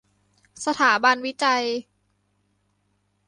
สถาบันวิจัย